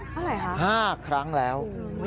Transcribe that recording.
เพราะไหนฮะ๕ครั้งแล้ว